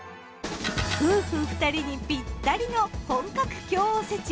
夫婦２人にぴったりの本格京おせち。